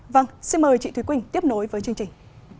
vâng xin mời chị thúy quỳnh tiếp nối với chương trình